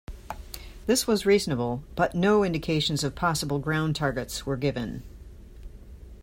This was reasonable, but no indications of possible ground targets were given.